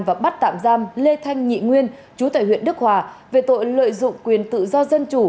và bắt tạm giam lê thanh nhị nguyên chú tại huyện đức hòa về tội lợi dụng quyền tự do dân chủ